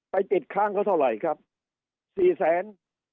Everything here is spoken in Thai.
ติดค้างเขาเท่าไหร่ครับสี่แสน